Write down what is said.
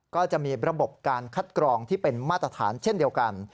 ก็จะมีระบบการคัดกรองที่เป็นมาตรฐานเช่นเดียวกัน